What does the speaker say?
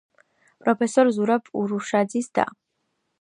პროფესორ ზურაბ ურუშაძის და.